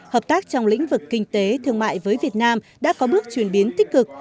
hợp tác trong lĩnh vực kinh tế thương mại với việt nam đã có bước chuyển biến tích cực